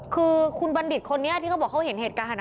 คือคุณบัณฑิตคนนี้ที่เขาบอกเขาเห็นเหตุการณ์